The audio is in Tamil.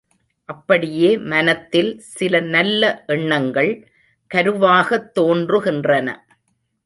அப்படியே மனத்தில் சில நல்ல எண்ணங்கள் கருவாகத் தோன்றுகின்றன.